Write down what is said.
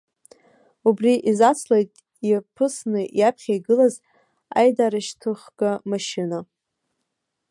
Убри изацлеит иаԥысны иаԥхьа игылаз аидарашьҭыхга машьына.